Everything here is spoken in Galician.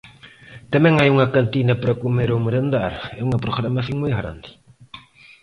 Tamén hai unha cantina para comer ou merendar...É unha programación moi grande.